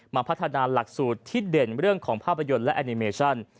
พัฒนาหลักสูตรที่เด่นเรื่องของภาพยนตร์และแอนิเมชั่น